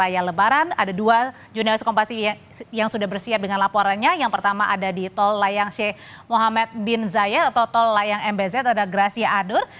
pada lebaran ada dua jurnalis kompassi yang sudah bersiap dengan laporannya yang pertama ada di tol layang c mohamed bin zayed atau tol layang mbz ada gracia adur